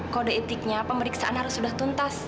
kode etiknya pemeriksaan harus sudah tuntas